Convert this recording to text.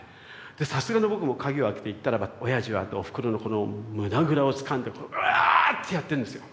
でさすがの僕も鍵を開けて行ったらばおやじはおふくろのこの胸ぐらをつかんで「うわぁ！」ってやってんですよ。